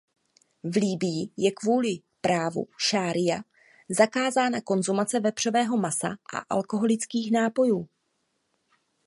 V Libyi je kvůli právu šaría zakázaná konzumace vepřového masa a alkoholických nápojů.